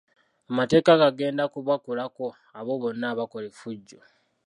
Amateeka gagenda kubakolako abo boona abakola efujjo.